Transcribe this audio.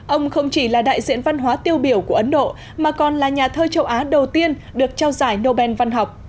ông không chỉ là đại diện văn hóa tiêu biểu của ấn độ mà còn là nhà thơ châu á đầu tiên được trao giải nobel văn học